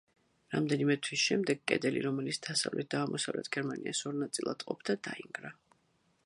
რამდენიმე თვის შემდეგ კედელი, რომელიც დასავლეთ და აღმოსავლეთ გერმანიას ორ ნაწილად ყოფდა, დაინგრა.